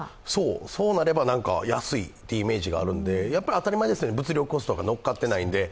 そうなれば安いというイメージがあるので、当たり前ですよね、物流コストが乗っかっていないので。